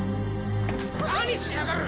何してやがる！